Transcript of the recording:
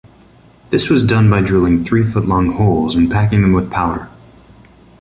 This was done by drilling three-foot-long holes and packing them with powder.